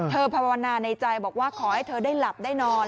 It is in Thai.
เธอภาวนาในใจขอให้เธอได้หลับได้นอน